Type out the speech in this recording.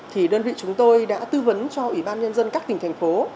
thì đơn vị chúng tôi đã tư vấn cho ủy ban nhân dân các tỉnh thành phố